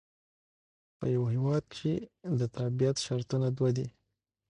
په یوه هیواد کښي د تابیعت شرطونه دوه دي.